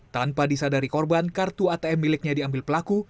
tanpa disadari korban kartu atm miliknya diambil pelaku